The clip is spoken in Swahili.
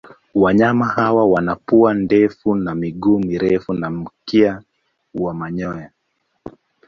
Wanyama hawa wana pua ndefu na miguu mirefu na mkia wa manyoya.